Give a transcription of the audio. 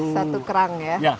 satu kerang ya